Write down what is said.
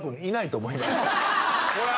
ほら。